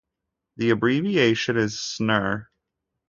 The abbreviation is Snr.